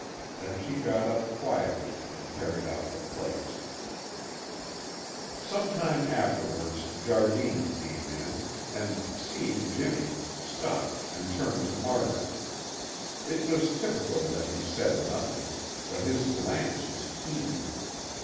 Then she got up quietly and carried off the plates. Some time afterwards Jardine came in and, seeing Jimmy, stopped and turned to Margaret. It was typical that he said nothing, but his glance was keen.